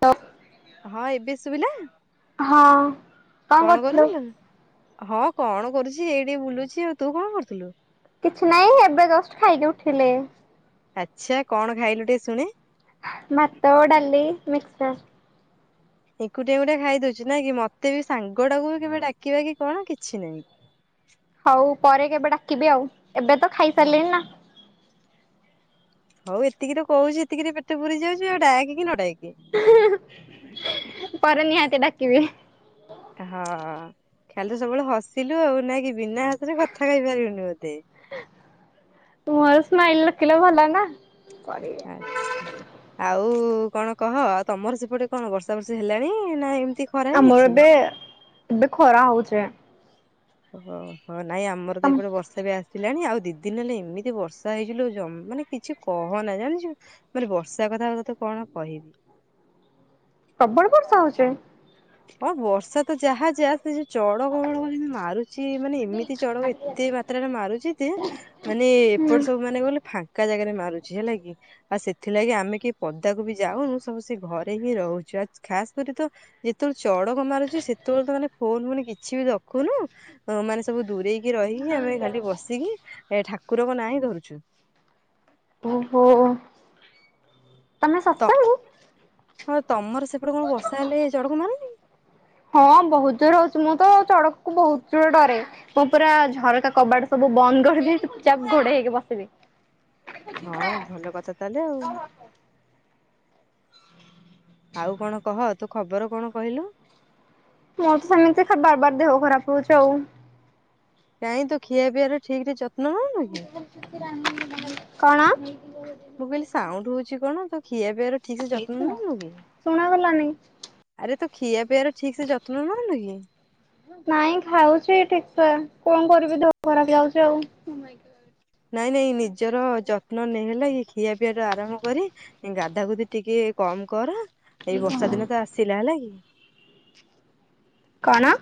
ତ ହଁ ଏବେ ଶୁଭିଲା କଣ କରୁଥିଲ? ହଁ କଣ କରୁଛି ଏଇ ଟିକେ ବୁଲୁଛି ଆଉ ତୁ କଣ କରୁଥିଲୁ? କିଛି ନାଇଁ ଏବେ ଜଷ୍ଟ ଖାଇକି ଉଠିଲି। ଆଚ୍ଛା କଣ ଖାଇଲୁ ଟିକେ ଶୁଣେ? ଭାତ ଡାଲି ମିକସର୍ ଏକୁଟିଆ ଏକୁଟିଆ ଖାଇଦେଉଚୁ ନାଇଁ କି ମୋତେ ବି ସାଙ୍ଗଟାକୁ ବି କେବେ ଡାକିବା କି କଣ କିଛି ନାହିଁ। ହଉ ପରେ କେବେ ଡାକିବି ଆଉ ଏବେ ତ ହଁ। ଖାଇସାରିଲିଣିନା। ହଉ ଏତିକିରେ କହୁଛି ଏତିକିରେ ପେଟ ପୁରୀ ଯାଉଛି ଆଉ ଡାକ କି ନ ଡାକେ। ପରେ ନିହାତି ଡାକିବେ। ହଁ ଖାଲି ତ ସବୁବେଳେ ହସିଲୁ ଆଉ ନାଇଁ କି, ବିନା ହସରେ କଥା କହିପାରିବୁନି ବୋଧେ। ମୋ ସ୍ମାଇଲ୍ ଦେଖିଲେ ଭଲ ନା। ଆଚ୍ଛା ଆଉ କଣ କହ, ଆଉ ତମର ସେପଟେ କଣ ବର୍ଷା ବର୍ଷି ହେଲାଣି ନା ଏମ୍ତି? ଆମର ଏବେ, ଏବେ ଖରା ହଉଚି। ଓହୋହୋ ନାଇଁ ଆମର ତ ଏପଟେ ବର୍ଷା ବି ଆ ସିଲାଣି ଆଉ ଦି ଦିନ୍ ହେଲା ଏମିତି ବର୍ଷା ହେଇଚିଲୋ ଜ ମାନେ କିଛି କହନା, ଜାଣିଚୁ ମାନେ ବର୍ଷା କଥା ଆଉ ତତେ କଣ କହିବି। ପ୍ରବଳ ବର୍ଷା ହଉଚି? ହଁ ବର୍ଷା ତ ଯାହା ଯା ସେ [unintelligible] ଚଡକ ଫଡକ ଯେନ୍ତି ମାରୁଚି ମାନେ ଏମିତି ଚଡକ ଏତେ ମାତ୍ରାରେ ମାରୁଚି ଯେ ମାନେ ହୁଁ। ଏପଟେ ସବୁ ମାନେ କଣ କହିଲୁ ଫାଙ୍କା ଜାଗାରେ ମାରୁଚି ହେଲା କି। ଆଉ ସେଥିଲାଗି ଆମେ କେହି ପଦାକୁ ବି ଯାଉନୁ, ସବୁ ସେ ଘରେ ହିଁ ରହୁଚୁ ଆ ଖାସ୍ କରି ତ ଯେତବଳେ ଚଡକ ମାରୁଚି ସେତବଳେ ତ ମାନେ ଫୋନ୍-ଫୋନ୍ କିଛି ବି ରଖୁନୁ ହଁ ମାନେ ସବୁ ଦୂରେଇକି ରହିକି ଆମେ ଖାଲି ବସିକି ଏ ଠାକୁରଙ୍କ ନାଁ ହିଁ ଧରୁଚୁ। ଓହୋ, ତମେ ତ [unintelligible] ହଁ, ତମର ସେପଟେ କଣ ବର୍ଷା ହେଲେ ଚଡକ ମାରେନି? ହଁ ବହୁତ୍ ଜୋର ହଉଚି, ମୁଁ ତ ଚଡକ କୁ ବହୁତ୍ ଜୋର୍ ଡରେ। ମୁଁ ପୁରା ଝରକା କବାଟ ସବୁ ବନ୍ଦ କରିଦେଇ ଚୁପ୍ ଚାପ୍ ଘୋଡେଇ ହେଇକି ବସିବି। ହଁ, ଭଲ କଥା ତାହେଲେ ଆଉ। ଆଉ କଣ କହ, ତୋ ଖବର କଣ କହିଲୁ? ମୋର ତ ସେମିତି ବାର୍-ବାର୍ ଦେହ ଖରାପ୍ ହଉଚି ଆଉ। କାଇଁ ତୁ ଖିଆ ପିଆର ଠିକ୍ ରେ ଯତ୍ନ ନଉନୁ କି? କଣ? ମୁଁ କହିଲି ସାଉଣ୍ଡ ହଉଚି କଣ, ତୁ ଖିଆ ପିଆର ଠିକ୍ ସେ ଯତ୍ନ ନଉନୁ କି? ଶୁଣାଗଲାନି ଆରେ ତୁ ଖିଆ ପିଆର ଠିକ୍ ସେ ଯତ୍ନ ନଉନୁ କି? ନାଇଁ ଖାଉଚି ଠିକ୍ସେ, କଣ କରିବି ଦେହ ଖରାପ୍ ହେଇଯାଉଚି ଆଉ। ନାଇଁ-ନାଇଁ ନିଜର ଯତ୍ନ ନେ ହେଲକି, ଖିଆ ପିଆରୁ ଆରମ୍ଭ କରି ଗାଧା ଗୁଧି ଟିକେ କମ୍ କର, ଏଇ ବର୍ଷା ଦିନ ତ ଆସିଲା ହେଲା କି? କଣ?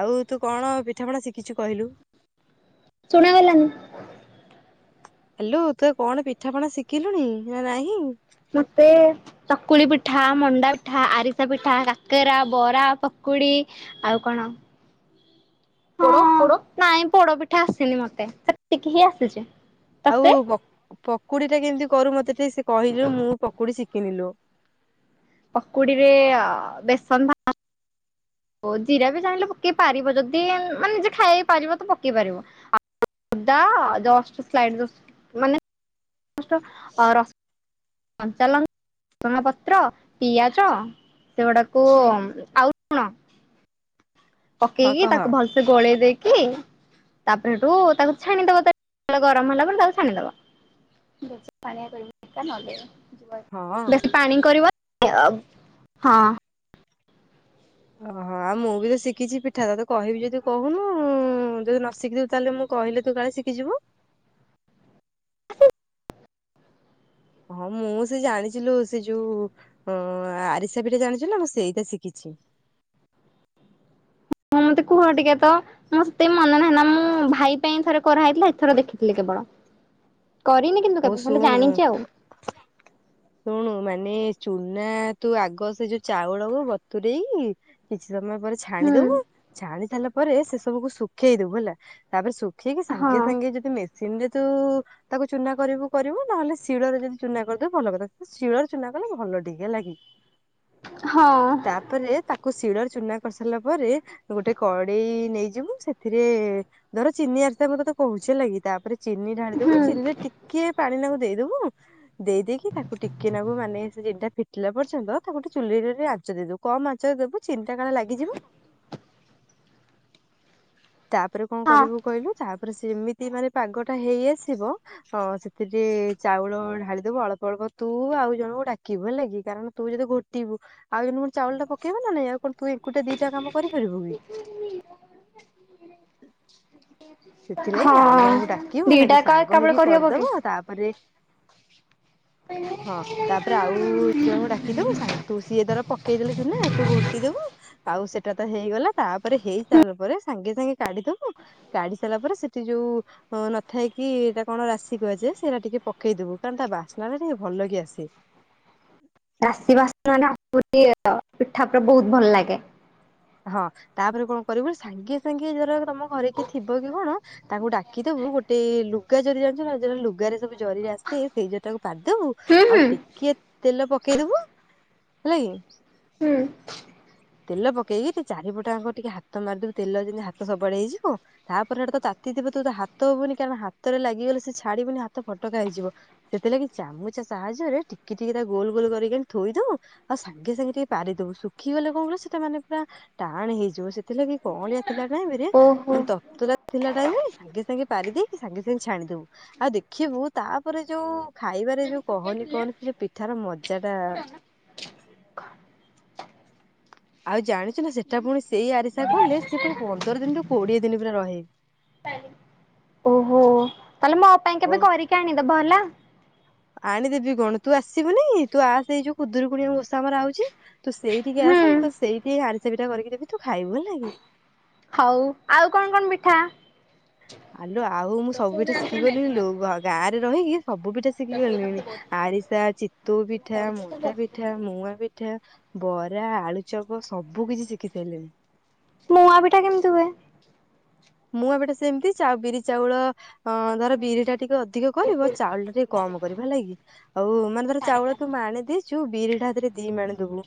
ଆଉ ତୁ କଣ ପିଠାପଣା ଶିକିଚୁ କହିଲୁ? ଶୁଣା ଗଲାନି। ହାଲୋ, ତୁ ଆଉ କଣ ପିଠାପଣା ଶିକିଲୁଣି ନା ନାହିଁ। ମତେ ଚକୁଳି ପିଠା, ମଣ୍ଡା ପିଠା, ଆରିସା ପିଠା, କାକେରା, ବରା, ପକୁଡି ଆଉ କଣ ହଁ ନାଇଁ, ପୋଡ ପିଠା ଆସିନି ମତେ ସେତିକି ହିଁ ଆସିଚି। ଆଉ ପ ପକୁଡି ଟା କେମ୍ତି କରୁ ମତେ ଟିକେ କହିଲୁ, ମୁଁ ପକୁଡି ଶିକିନି ଲୋ। ପକୁଡିରେ ଆ ବେସନ୍ ଭା ଓ ଜିରା ବି ଚାହିଁଲେ ପକେଇ ପାରିବ ଯଦି ମାନେ ଜିଏ ଖାଇ ପାରିବ ତ ପକେଇ ପାରିବ। ଅଦା ଜଷ୍ଟ ସ୍ଲାଇଟି ଜୁଷ୍ଟ ମାନେ ଜଷ୍ଟ ର କଞ୍ଚାଲ ଭେସୁଙ୍ଗା ପତ୍ର, ପିଆଜ ସେଗୁଡାକୁ ଆଉ ଲୁଣ ହଁ ପକେଇକି କହ ତାକୁ ଭଲ୍ସେ ଗୋଳେଇ ଦେଇକି ତାପରେ ସେଟୁ ତାକୁ ଛାଣିଦବ, ତେଲ ଗରମ୍ ହେଲା ପରେ ତାକୁ ଛାଣିଦବ। ବହୁତୁ ପାଣିଆ କରିବୁନି ତା ନଗେଇବ। ହଁ। [inaudible] ବେଶୀ ପାଣି କରିବ ଆଉ ହଁ ଓହ। ଆଉ ମୁଁ ବି ତ ଶିଖିଚି ପିଠା ତତେ କହିବି ଯଦି କହୁନୁ ଯଦି ନ ଶିଖିଥିବୁ ତାହେଲେ ମୁଁ କହିଲେ ତୁ କାଳେ ଶିଖିଯିବୁ। ହଁ ମୁଁ ସେ ଜାଣିଚିଲ ସେ ଯୋଉ ହଁ ଆରିସା ପିଠା ଜାଣିଚୁନା ମୁଁ ସେଇଟା ଶିଖିଛି। ହଁ ମତେ କୁହ ଟିକେ ତ। ତେ ମନେ ନାହିଁ ନା ମୁଁ ଭାଇ ପାଇଁ ଥରେ କରାହେଇଥିଲା ଏଥର ଦେଖିଥିଲି କେବଳ। କରିନି। କିନ୍ତୁ ହଉ କେବେ ହେଲେ ଶୁଣୁ ଜାଣିଛି ଆଉ ଉଁ ଶୁଣୁ ମାନେ ଚୁନା ତୁ ଆଗ ସେ ଯୋ ଚାଉଳକୁୁ ବତୁରେଇକି କିଛି ସମୟ ପରେ ହୁଁ ଛାଣିଦବୁ ଛାଣି ସାରିଲା ପରେ ସେ ସବୁକୁ ଶୁଖେଇ ଦବୁ ହେଲା। ତାପରେ ଶୁଖେଇକି ହଁ ସାଙ୍ଗେ ସାଙ୍ଗେ ଯଦି ମେସିନି ରେ ତୁ ତାକୁ ଚୁନା କରିବୁ କରିବୁ ନହେଲେ ଶିଳରେ ଯଦି ଚୁନା କରିଦେବ ଭଲ କଥା ଶିଳରେ ଚୁନା କଲେ ଭଲ ଟିକେ ଲାଗେ। [unintelligible] ହଁ। ତାପରେ ତାକୁ ଶିଳରେ ଚୁନା କରିସାରିଲା ପରେ ଗୋଟେ କଡେଇ ନେଇଯିବୁ ସେଥିରେ ଧର ଚିନି ଆରିସା ମୁଁ ତତେ କହୁଚି ହେଲାକି ତାପରେ ଚିନି ଢାଳିଦବୁ ହୁଁ ଚିନିରେ କିଏ ପାଣି ନାକୁ ଦେଇଦବୁ। ଦେଇଦେଇକି ତାକୁ ଟିକେନାକୁ ମାନେ ସେ ଚିନିଟା ଫିଟିଲା ପର୍ଯ୍ୟନ୍ତ ତାକୁ ଚୁଲିରେ ରେ ଆଚ ଦେଇଦବୁ। କମ୍ ଆଚର ଦବୁ ଚିନିଟା କାଳେ ଲାଗିଯିବ। ତାପରେ କଣ ହଁ କରିବୁ କହିଲୁ ତାପରେ ସେମିତି ମାନେ ପାଗ ଟା ହେଇ ଆସିବ। ହଁ ସେଥିରେ ଚାଉଳ ଢାଳିଦବୁ ଅଳ୍ପ ଅଳ୍ପ ତୁ ଆଉ ଜଣଙ୍କୁ ଡାକିବୁ ହେଲାକିି କାରଣ ତୁ ଯଦି ଘୋଟିବୁ ଆଉ ଜଣଙ୍କୁ ଚାଉଳ ଟା ପକେଇବ ନା ନାଇଁ ଆଉ କଣ ତୁ ଏକୁଟିଆ ଦିଟା କାମ କରିପାରିବୁ ବି। [inaudible] ସେଥିଲାଗି ଆଉ ହଁ ଜଣଙ୍କୁ ଡାକିବୁ ଦିଟା ହେଲାକି ଏକା ସାଙ୍ଗ ଏକାବେଳେ ହେଇକି କରିହବ କି? କରିଦବ ତାପରେ ହଁ [unintelligible] ତାପରେ ଆଉ ଏ ଜଣଙ୍କୁ ଡାକି ଦବୁ ସା ତୁ ସିଏ ତର ପକେଇଦେଲେ ଚୁନା ତୁ ଘୋଟି ଦବୁ। ଆଉ ସେଟା ତ ହେଇଗଲା ତାପରେ ହେଇସାରିଲା ପରେ ସାଙ୍ଗେ ସାଙ୍ଗେ କାଢିଦବୁ କାଢି। ଦେଲା ପରେ ସେଠି ଯଉ। ହଁ ନଥାଇକି ଏଟା କଣ ରାଶି କୁହାଯାଏ ସେଇଟା ଟିକେ ପକେଇଦବୁ କାରଣ ତା ବାସ୍ନାଟା ଟିକେ ଭଲ କି ଆସେ। ରାଶି ବାସ୍ନାଟା [inaudible] ପିଠା ପୁରା ବହୁତ ଭଲ ଲାଗେ। ହଁ ତାପରେ କଣ କରିବୁ ସାଙ୍ଗେ ସାଙ୍ଗେ ଧର ତମ ଘରେ କି ଥିବ କି କଣ। ତାଙ୍କୁ ଡାକିଦବୁ ଗୋଟେ ଲୁଗା ଜରି ଜାଣିଚୁନା ଯଉରା ଲୁଗାରେ ସବୁ ଜରିରେ ଆସେ। ସେଇ ଜରିଟାକୁ ପାରିଦବୁ ହୁଁ ଆଉ ହୁଁ ଟିକେ ତେଲ ପକେଇଦବୁ ହେଲା କି। ହୁଁ। ତେଲ ପକେଇକି ତୁ ଚାରିପଟା ଆଙ୍କ ଟିକେ ହାତ ମାରିଦବୁ ତେଲ ଯେମିତି ହାତ ସବୁଡେ ହେଇଯିବ। ତାପରେ ଆଡେ ତ ତାତିଥିବ ତୁ ହାତ ହବୁନି କାରଣ ହାତରେ ଲାଗିଗଲେ ସେ ଛାଡିବନି ହାତ ଫଟକା ହେଇଯିବ। ସେଥିଲାଗି ଚାମୁଚା ସାହାଯ୍ୟରେ ଟିକେ ଟିକେ ତା ଗୋଲ ଗୋଲ କରିକି ଥୋଇ ଦବୁ। ଆଉ ସାଙ୍ଗେ ସାଙ୍ଗେ ଟିକେ ପାରିଦବୁ ଶୁଖିଗଲେ। କଉଳ ସେଟା ମାନେ ପୁରା ଟାଣ ହେଇଯିବ ସେଥିଲାଗି କଁଅଳିଆ ଥିଲା ଟାଇମରେ ଓହୋ ମାନେ ତତରା। ଥିଲା ଟାଇମ ସାଙ୍ଗେ ସାଙ୍ଗେ ପାରି ଦେଇକି ସାଙ୍ଗେ ସାଙ୍ଗେ ଛାଣିଦବୁ ଆଉ ଦେଖିବୁ ତାପରେ ଯୋଉ। ଖାଇବାରେ ଯୋଉ କହନି କହନି ସେ ଯେ ପିଠାର ମଜାଟା। ଆଉ ଜାଣିଚୁ ନା ସେଟା ପୁଣି ସେଇ ଆରିସା କଲେ ସେ ପରା ପନ୍ଦର ଦିନିରୁୁ କୋଡିଏ ଦିନି ରହେ। ଓହୋ ତାହେଲେ ମୋ ପାଇଁ ହଉ କେବେ କରିକି ଆଣିଦବ ହେଲା। ଆଣିଦେବି କଣ ତୁ ଆସିବୁନି ତୁ ଆ ସେଇ ଯୋଉ ଖୁଦୁରୁକୁୁଣି ଓଷା ଆମର ଆଉଛି। ତୁ ସେଇଠିକି ହୁଁ। ଆସେ ମୁଁ ତ ସେଇଠିକି ଆରିସା ପିଠା କରିକି ଦେବି ତୁ ଖାଇବୁ ହେଲା। ହଉ ଆଉ କଣ କଣ ପିଠା? ଆଲୋ ଆଉ ମୁଁ ସବୁ ପିଠା ଶିଖିଗଲିଣିଲୋ ଗାଁରେ ରହିକି ସବୁ ପିଠା ଶି ଶିଖିଗଲିଣି ଆରିସା, ଚିତୋଉ ପିଠା, ମଣ୍ଡା ପିଠା ପିଠା ମୁଁଆପିଠା, ବରା, ଆଳୁଚପ ସବୁ କିଛି ଶିଖି ସାଇଲିଣି। ମୁଆଁ ପିଠା କେମିତି ହୁଏ? ମୁଆଁ ପିଠା ସେମିତି ବିରି ଚାଉଳ ହଁ ଧର ବିରି ଟା ଟିକେ ଅଧିକ କରିବ ଚାଉଳ ଟା ଟିକେ କମ କରିବା ହେଲାକି। ଆଉ ମାନେ ଧର ଚାଉଳ ତୁ ମାଣେ ଦେଇଛୁ ବିରି ଟା ହେଥିରେ ଦି ମାଣେ ଦବୁ।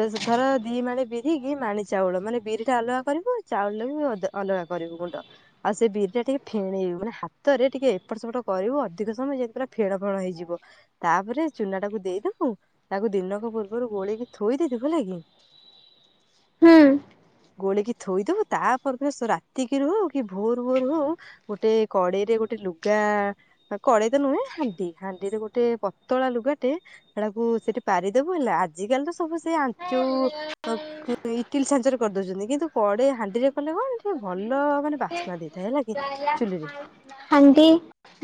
ତ ଧର ଦି ମାଣେ ବିରି କି ମାଣେ ଚାଉଳ ମାନେ ବିରି ଟା ଅଲଗା କରିବୁ ଚାଉଳ ବି ଅଲଗା କରିବୁ। କରିବୁ ଗୁଣ୍ଡ ଆଉ ସେ ବିରି ଟା ଟିକେ ଫେଣେଇବୁ ମାନେ ହାତରେ ଟିକେ ଏପଟ ସେପଟ କରିବୁ ଅଧିକ ସମୟ ଯେମିତି ପୁ ଫେଣ ଫେଣ ହେଇଯିବ। ତାପରେ ଚୁନା ଟାକୁ ଦେଇଦବୁ ତାକୁ ଦିନକ ପୂର୍ବରୁ ଗୋଳେଇକି ଥୋଇ ଦେଇଥିବୁ। [unintelligible] କି। ହୁଁ। ଗୋଳିକି ଥୋଇଦବୁ ତାପରେ ଦିନ ସେ ରା ରାତିକି ରୁ ହଉ କି ଭୋର ଭୋର ହଉ ଗୋଟେ କଡେଇରେ ଗୋଟେ ଲୁଗା କଡେଇ ତ ନୁହେଁ ହାଣ୍ଡି ହାଣ୍ଡିରେ ଗୋଟେ ପତଳା ଲୁଗା ଟେ ସେଟାକୁ ସେଠି ପାରିଦବୁ ହେଲା ଆଜିିକାଲି ତ ସବୁ ସେ ଯୋଉ ଇଟିଲ୍ ଛାଞ୍ଚ ରେ କରିଦଉଛନ୍ତି କିନ୍ତୁ କଡେଇ ହାଣ୍ଡିରେ କଲେ କଣ ଟିକେ ଭଲ ମାନେ ବାସ୍ନା ଦେଇଥାଏ ହେଲା କି ଚୁଲି ରେ। ହାଣ୍ଡି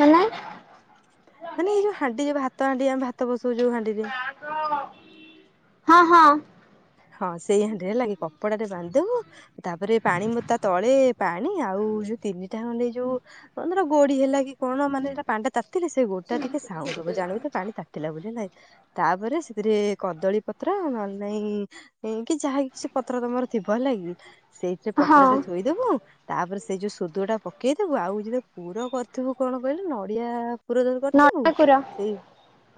ମାନେ? ମାନେ ଯୋଉ ହାଣ୍ଡି ଭାତ ହାଣ୍ଡି ଆମେ ଭାତ ବସଉ ଯୋଉ ହାଣ୍ଡିରେ। ହଁ ହଁ। ହଁ ସେଇ ହାଣ୍ଡିରେ ହେଲା କି କପଡା ରେ ବାନ୍ଧିଦବୁ। ତାପରେ ପାଣି ମତା ତଳେ ପାଣି ଆଉ ଯୋଉ ତିନିଟା ଖଣ୍ଡେ ଯୋଉ ମନେ କର ଗୋଡି ହେଲା କି କଣ ମାନେ ହେଟା ପାଣି ଟା ତାତିଲେ ସେ ଗୋଡି ଟା ଟିକେ ସାଉଣ୍ଡ ହବ ଜାଣିବୁ ଜେ ପାଣି ତାତି ଲା ବୋଲି କି ହେଲା କି ତାପରେ ସେଥିରେ କଦଳୀ ପତ୍ର ନହେଲେ ନାଇଁ କି ଯାହା କିଛି ପତ୍ର ତମର ଥିବ ଲାଗି ସେଇଥିରେ ହଁ ପତ୍ର ଟେ ଥୋଇଦବୁ। ତାପରେ ସେ ଯୋଉ ସୋଦୁଅ ଟା ପକେଇଦବୁ ଆଉ ଯଦି ପୁର କରିଥିବୁ କଣ କହିଲୁ ନଡିଆ ପୁର ଯଦି କରିଥିବୁ ନଡିଆ କୁର ସେଇ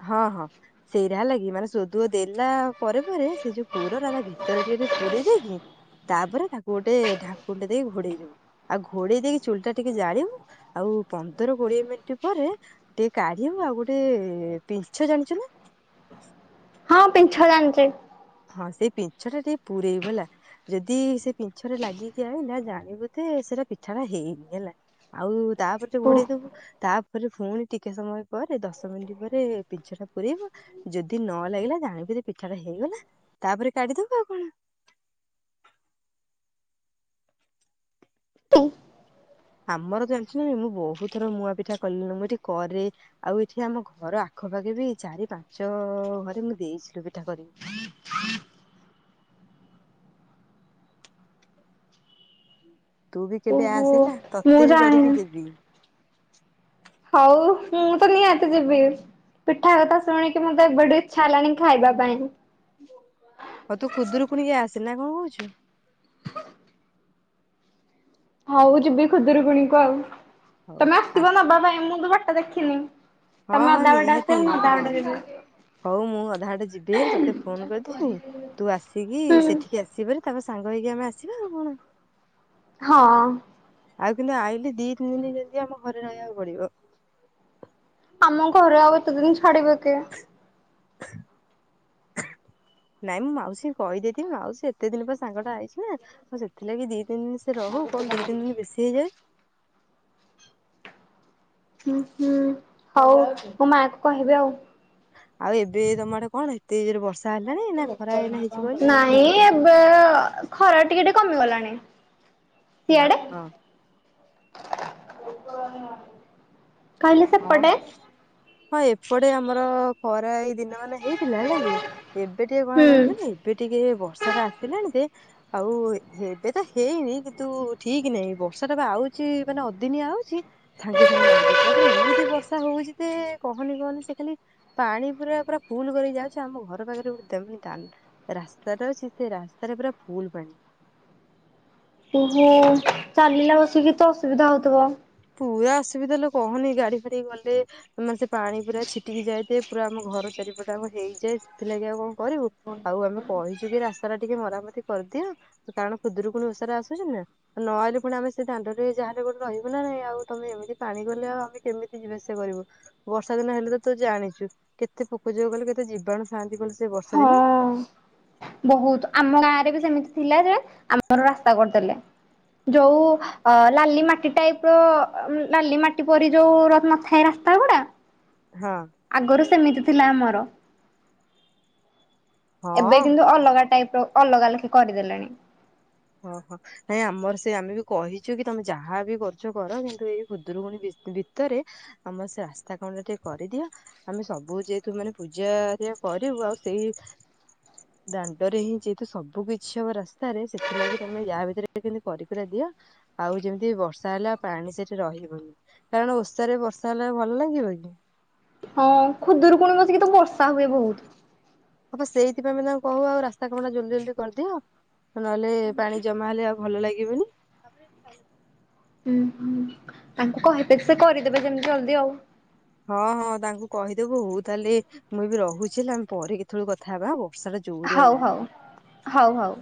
ହଁ ହଁ ସେଇରା ହେଲା କି ମାନେ ଯୋଉ ଭୋଦୁଅ ଦେଲା ପରେ ପରେ ସେ ଯୋଉ ପୁର ରା ତା ଭିତରେ ଟିକେ ଟିକେ ପୁରେଇ ଦେଇକି ତାପରେ ତାକୁ ଗୋଟେ ଢାଙ୍କୁଣି ଦେଇକି ଘୋଡେଇ ଦୋବୁ। ଆଉ ଘୋଡ଼େଇ ଦେଇକି ଚୁଲି ଟା ଟିକେ ଜାଲି ବୁ ଆଉ ପନ୍ଦର କୋଡିଏ ମିନିଟ୍ ପରେ ଟିକେ କାଢିବୁ ଆଉ ଗୋଟେ ପିନ୍ଛ୍ ଜାଣିଛୁ ନା? ହଁ ପିନ୍ଛ୍ ଜାଣିଛି। ହଁ ସେଇ ପିନ୍ଛ୍ ଟା ଟିକେ ପୁରେଇବୁ ହେଲା। ଯଦି ସେ ପିନ୍ଛ୍ ରେ ଲାଗି ଜାଏ ଜାଣିବୁ ଯେ ସେଇ ପିଠା ଟା ହେଇନି ହେଲା। ଆଉ ତାପରେ ଯୋଉ ଓ ଘଡେଇଦୋବୁ ତା ତାପରେ ପୁଣି ଟିକେ ସମୟ ପରେ ଦଶ ମିନିଟ୍ ପରେ ପିନ୍ଛ୍ ଟା ପୁରେଇବୁ ଯଦି ନ ଲାଗିଲା ଜାଣିବୁ ଯେ ପିଠା ଟା ହେଇଗଲା ତାପରେ କାଢିଦୋବୁ ଆଉ କଣ। [unintelligible] ଆମର ଯାଣିତି ମୁଁ ବହୁତ ଥର ମୁୂଆ ପିଠା କଲିିଣି ମୁଁ ଏଠି କରେ ଆଉ ଏଠି ଆମ ଘର ଆଖପାଖେ ବି ଚାରି ପାଞ୍ଚ ଘରେ ମୁଁ ଦେଇଥିଲି ପିଠା କରିକି। ତୁ ବି କେବେ ଓହୋ ଆସେନା ମୁଁ ତତେ ବି ଜାଣିନି କରିକି ଦେବି। ହଉ ମୁଁ ତ ନିହାତି ଯିବି। ପିଠା କଥା ଶୁଣିକି ମତେ ବଡି ଇଚ୍ଛା ହେଲାଣି ଖାଇବା ପାଇଁ। ହଉ ତୁ ଖୁଦୁରୁକୁଣୀ କୁୁି ଆସେ ନା କଣ କହୁଛୁ। ହ। ହଉ ଯିବି ଖୁଦରୁକୁଣୀକୁ ଆଉ ହଉ ତମେ ଆ ଆସିବ ନ ବାବା। ଏ ମୁଁ ତ ବାଟା ଦେଖିନି। ହଁ ତମେ ହଁ ଅଧା ବାଟ ନିହାତି ଆସିବା ମୁଁ ଅଧା ହଁ ବାଟ ଯିବି। ହଉ ମୁଁ ଅଧା ହଟେ ଯିବି ହାରି ତତେ ଫୋନ କରିଥିବି ତୁ ଆସିକି ହୁଁ ସେଠିକି ଆସି ଯି ତିଆରି ତାପରେ ସାଙ୍ଗ ହେଇକି ଆମେ ଆସିବା ଆଉ କଣ। ହଁ। ଆଉ କିନ୍ତୁ ଆଇିଲି ଦି ତିନି ଦିନ ଯେମିତି ଆମ ଘରେ ରହିବାକୁ ପଡିବ। ଆମ ଘରେ ଆଉ ଏତେ ଦିନ ଛାଡିବ କି ନାଇଁ ମୁଁ ମାଉସୀ କହିଦେଇଥିଲି ମାଉସୀ ଏତେ ଦିନ ପରେ ସାଙ୍ଗଟା ଆଇଛି ନା ଆଉ ସେଥିଲାଗି ଦି ତିି ସେ ରହୁ କଣ ଦୁଇ ତିନ ଦିନ ବେଶୀ ହେଇଯାଉଛି। ହୁଁ ହୁଁ ହଉ ମୋ ମା କୁ କହିବି ଆଉ ଆଉ ଏବେ ତମଡେ କଣ ଏତେ ଜୋରେ ବର୍ଷା ହେଲାଣି ନା ଖରା ହେଇ ହେଇଛି କହିଲୁ? ନାଇଁ ଏବେ ଖରା ଟିକେ ଟିକେ କମିଗଲାଣି। ହଁ ସେଆଡେ? ହଁ ହଁ ଏପଟେ ଆମର ଖରା ଏଇ ଦିନ ମାନେ ହେଇଥିଲା ହେଲା କି ଏବେ ଟିକେ କଣ ହୁଁ ହେଲାଣି ଏବେ ଟିକେ ବର୍ଷା ଟା ଆସିଲାଣି ଯେ ଆଉ ଏବେ ତ ହେଇନି କିନ୍ତୁ ଠିକ ନାହିଁ ବର୍ଷା ଟା ବି ଆଉଛି ମାନେ ଅଦିନିଆ ଆଉ ଚି ସାଙ୍ଗେ ସାଙ୍ଗେ ମାାରି ଦଉଛି ଆପଣ ଏମିତି ବର୍ଷା ହଉଛି ଯେ କହନି କହନି ସେ ଖାଲି ପାଣି ପୁରା ପୁରା ଫୁଲ କରି ଯାଉଛି ଆମ ଘର ପାଖରେ ଗୋଟେ ଦାଣ୍ଡ ରାସ୍ତାଟା ଅଛି ସେ ରାସ୍ତାରେ ପୁରା ଫୁଲ ପାଣି ଓ ହୋ ଚାଲିଲା ବସିକି ତ ଅସୁବିଧା ହଉଥିବ। ପୁରା ଅସୁବିଧା ହେଲେ କହନି ଗାଡି ଫାଡି ଗଲେ ମାନେ ସେ ପାଣି ପୁରା ଛିଟିକି ଯାଇଥାଏ ପୁରା ଆମ ଘର ଚାରିପଟା ଆ ହେଇଯାଏ ସେଥିଲାଗି ଆଉ କଣ କରିବୁ। ଆଉ ଆମେ କହିଛୁ କି ରାସ୍ତା ଟା ଟିକେ ମରାମତି କରିଦିଅ କାରଣ ଖୁଦରୁ କୁଣି ଓଷାରେ ଆସୁଛି ନା ଆ ଇଂଲେ ପୁଣି ଆମେ ସେ ଦାଣ୍ଡରେ ଯାହଲେ ଗୋଟେ ରହିବୁ ନାହିଁ। ଆଉ ତମେ ଏମିତି ପାଣି ଗଲେ ଆଉ ଆମେ କେମିତି ଯିବା ଆସିବା କରିବୁ। ବର୍ଷା ଦିନ ହେଲେ ତ ତୁ ଜାଣିଛୁ କେତେ ପୋକ ଯୋକ ଗଲେକେତେ ଜୀବାଣୁ ଥାନ୍ତି କଲେ ସେ ବର୍ଷା ଦିନେ? ହଁ ବହୁତ ଆମ ଗାଁରେ ବି ସେମିତି ଥିଲା ଯେ ଆମର ରାସ୍ତା କରିଦେଲେ। ଯୋଉ ଅ ଲାଲି ମାଟି ଟାଇପ ର ଲାଲି ମାଟି ପରି ଯୋଉ ରନା ସେଇ ରାସ୍ତା ଗୁଡା? ହଁ। ଆଗରୁ ସେମିତି ଥିଲା ଆମର। ଏବେ ହଁ କିନ୍ତୁ ଅଲଗା ଟାଇପ ର ଅଲଗା ଲେଖି କରିଦେଲେଣି। ଓହୋ। ନାଇଁ ଆମର ସେ ଆମେ ବି କହିଛୁ କି ତମେ ଯାହା ବି କରୁଛ କର କିନ୍ତୁ ଏଇ ହୁଦରୁକୁୁଣୀ ଭି ଭିତରେ ଆମର ସେ ରାସ୍ତା କାମ ଟା ଟିକେ କରିଦିଅ। ଆମେ ସବୁ ଯେହେତୁ ମାନେ ପୂଜାରିଆ କରିବୁ ଆଉ ସେଇ ଦାଣ୍ଡରେ ହିଁ ଯେହେତୁ ସବୁ କିଛି ହବ ରାସ୍ତାରେ ସେ ଥିଲା କି ତମେ ୟା ଭିତରେ ଯେମିତି କରି କୁରା ଦିଅ ଆଉ ଯେମିତି ବର୍ଷା ହେଲା ପାଣି ସେଠି ରହିବନି କାରଣ ଓସାରେ ବର୍ଷା ହେଲେ ଆଉ ଭଲ ଲାଗିବ କି ହଁ ଖୁଦୁରୁକୁୁଣି ବସିକି ତ ବର୍ଷା ହୁଏ ବହୁତ ହପା ସେଇଥିପାଇଁ ଆମେ ତାଙ୍କୁ କହୁ ଆଉ ରାସ୍ତା କାମ ଟା ଜଲ୍ଦି ଜଲଦି କରିଦିଅ ନହଲେ ପାଣି ଜମା ହେଲେ ଆଉ ଭଲ ଲାଗିବନି ହ [unintelligible] ହୁଁ ହୁଁ ତାଙ୍କୁ କହିପାରି ସେ କରିଦେବେ ଯେମିତି ଜଲ୍ଦି ଆଉ ହଁ ହଁ ତାଙ୍କୁ କହିଦେବୁ ହଉ ତାହେଲେ ମୁଁ ବି ରହୁଛି ହେଲା ଆମେ ପରେ କେତେବେଳେ କଥା ହେବା ହଉ ହଉ ହଉ ହଉ ହଉ